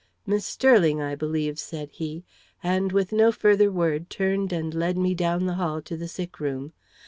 "Miss Sterling, I believe," said he; and with no further word, turned and led me down the hall to the sick room.